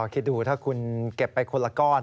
คิดดูถ้าคุณเก็บไปคนละก้อน